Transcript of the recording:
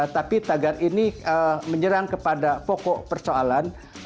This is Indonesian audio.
tapi tagar ini menyerang kepada pokok persoalan